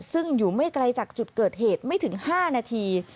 ซึ่งอยู่ไม่ไกลจากจุดเกิดเหตุไม่ถึง๕นาที